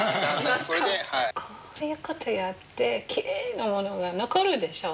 こういうことやってきれいなものが残るでしょ。